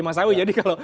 mas awi jadi kalau